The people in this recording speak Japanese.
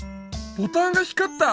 ボタンが光った！